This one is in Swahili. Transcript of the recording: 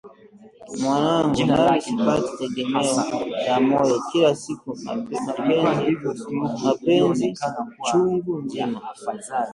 mwanangu, nami sipati tegemeo la moyo, kila siku mapenzi chungu-nzima!”